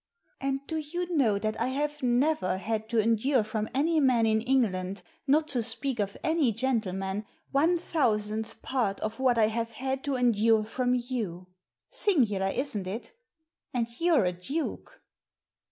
''And do you know that I have never had to endure from any man in England, not to speak of any gentleman, one thousandth part of what I have had to endure from you* Singular, isn't it ? And you're a duke